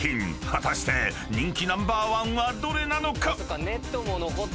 ［果たして人気ナンバーワンはどれなのか？］